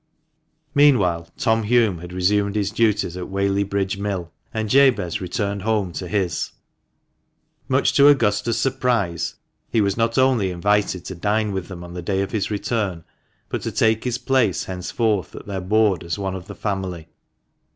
Meanwhile, Tom Hulme had resumed his duties at Whaley Bridge Mill, and Jabez returned home to his. Much to Augusta's surprise, he was not only invited to dine with them on the day of his return, but to take his place henceforth at their board as one of the family.